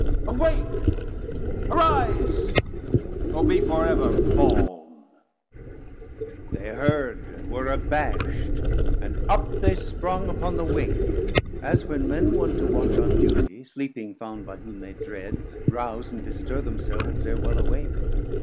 Awake, arise, or be for ever fall'n. 330 They heard, and were abasht, and up they sprung FULL SIZE Medium Size Upon the wing, as when men wont to watch On duty, sleeping found by whom they dread, Rouse and bestir themselves ere well awake.